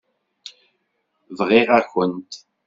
Briɣ-akent.